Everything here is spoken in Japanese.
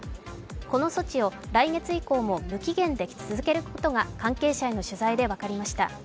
この措置を来月以降も無期限で続けることが関係者への取材で分かりました。